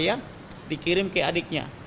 dia dikirim ke adiknya